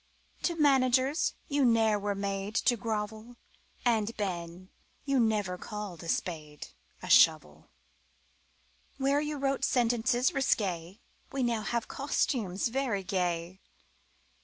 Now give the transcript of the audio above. To managers you ne'er were made To grovel, And, Ben, you never called a spade A shovel Where you wrote sentences risqué We now have costumes very gay.